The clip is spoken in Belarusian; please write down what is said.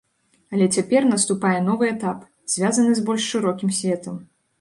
Але цяпер наступае новы этап, звязаны з больш шырокім светам.